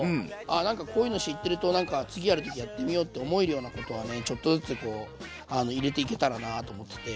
あなんかこういうの知ってるとなんか次やる時やってみようって思えるようなことはねちょっとずつ入れていけたらなと思ってて。